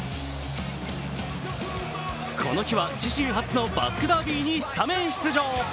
この日は自身初のバスクダービーにスタメン出場。